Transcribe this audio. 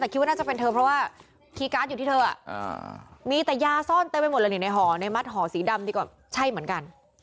แต่คิดว่าน่าจะเป็นเธอเพราะว่าคีย์การ์ดอยู่ที่เธอมีแต่ยาซ่อนเต็มไปหมดเลยนี่ในห่อในมัดห่อสีดำดีกว่าใช่เหมือนกัน